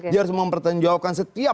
dia harus mempertanggungjawabkan setiap